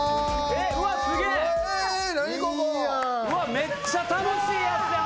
めっちゃ楽しいやつやん